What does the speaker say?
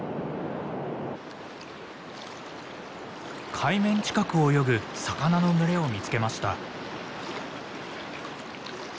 海面近くを泳ぐ魚の群れを見つけました。